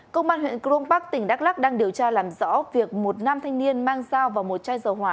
công an huyện cron park tỉnh đắk lắc đang điều tra làm rõ việc một nam thanh niên mang dao vào một chai dầu hỏa